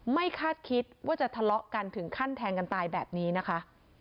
คาดคิดว่าจะทะเลาะกันถึงขั้นแทงกันตายแบบนี้นะคะ